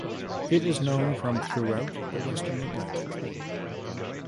It is known from throughout the western Atlantic.